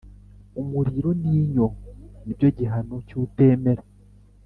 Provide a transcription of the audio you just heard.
umuriro n’inyo nibyo gihano cy’utemera